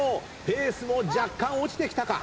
ペースも若干落ちてきたか。